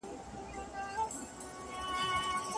که خندا ده که ژړا ده په ریا ده